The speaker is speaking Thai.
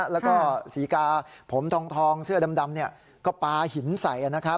แล้วก็ศรีกาผมทองเสื้อดำก็ปาหินใส